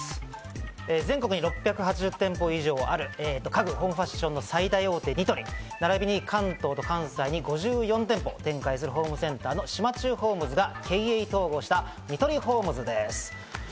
全国に６８０店舗以上ある家具、ホームファッション業界の最大手・ニトリと関東と関西に５４店舗を展開するホームセンターの島忠ホームズが経営統合したニトリホームズです。